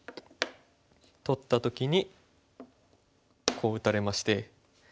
取った時にこう打たれまして。